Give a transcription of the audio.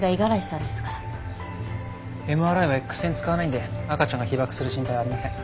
ＭＲＩはエックス線使わないんで赤ちゃんが被ばくする心配はありません。